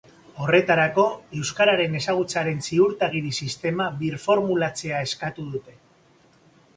Horretarako, euskararen ezagutzaren ziurtagiri sistema birformulatzea eskatu dute.